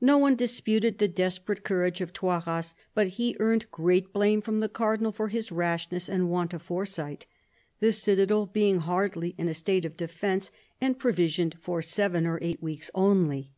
No one disputed the desperate courage of Toiras ; but he earned great blame from the Cardinal for his rashness and want of foresight ; the citadel being hardly in a state of defence, and provisioned for seven or eight weeks only.